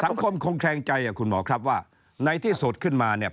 สังคมคงแคลงใจอ่ะคุณหมอครับว่าในที่สุดขึ้นมาเนี่ย